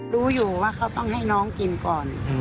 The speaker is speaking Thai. รู้อยู่ว่าเขาต้องให้น้องกินก่อน